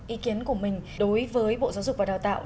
ý kiến của mình đối với bộ giáo dục và đào tạo